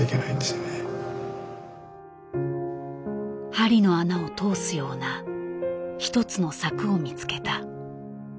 針の穴を通すような一つの策を見つけた。